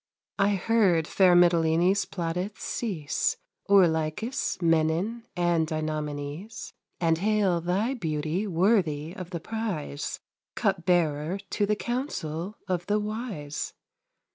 I heard fair Mitylene's plaudits cease O'er Lykas, Menon and Dinnomenes; And hail thy beauty worthy of the prize, Cupbearer to the council of the wise.